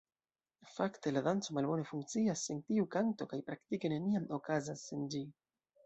Fakte la danco malbone funkcias sen tiu kanto, kaj praktike neniam okazas sen ĝi.